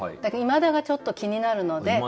「いまだ」がちょっと気になるので。